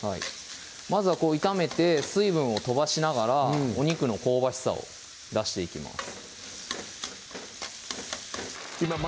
まずは炒めて水分を飛ばしながらお肉の香ばしさを出していきます